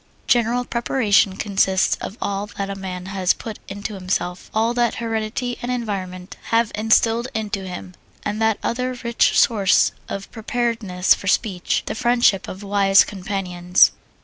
General preparation consists of all that a man has put into himself, all that heredity and environment have instilled into him, and that other rich source of preparedness for speech the friendship of wise companions.